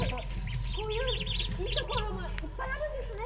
こういういいところもいっぱいあるんですね。